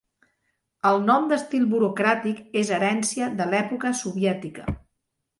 El nom d'estil burocràtic és herència de l'època soviètica.